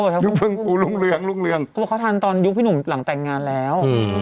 ก็บอกเขาทานตอนยุคพี่หนุ่มหลังแต่งงานแล้ว